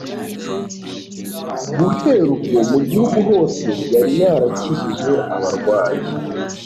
Guhera ubwo; mu gihugu hose yari yarakijije abarwayi,